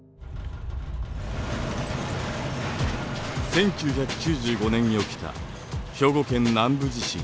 １９９５年に起きた兵庫県南部地震。